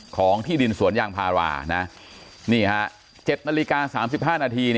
ของที่ดินสวนยางพารานะนี่ฮะ๗นาฬิกา๓๕นาที